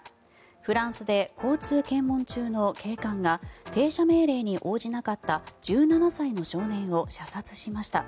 フランスで交通検問中の警官が停車命令に応じなかった１７歳の少年を射殺しました。